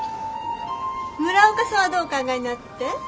村岡さんはどうお考えになって？